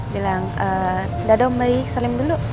bilang dadah baik salim dulu